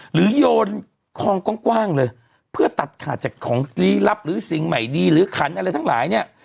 โยนคลองกว้างเลยเพื่อตัดขาดจากของลี้ลับหรือสิ่งใหม่ดีหรือขันอะไรทั้งหลายเนี่ย